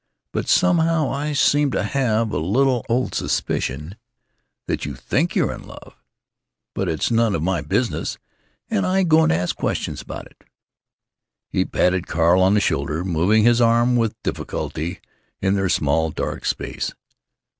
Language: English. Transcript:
But somehow I seem to have a little old suspicion that you think you're in love. But it's none of my business, and I ain't going to ask questions about it." He patted Carl on the shoulder, moving his arm with difficulty in their small, dark space.